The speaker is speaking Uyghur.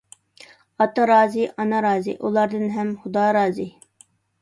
ئاتا رازى، ئانا رازى، ئۇلاردىن ھەم خۇدا رازى.